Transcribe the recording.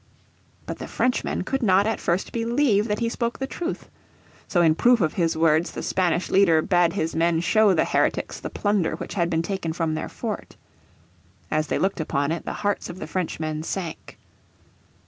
But the Frenchmen could not at first believe that he spoke the truth. So in proof of his words the Spanish leader bade his men show the heretics the plunder which had been taken from their fort. As they looked upon it the hearts of the Frenchmen sank.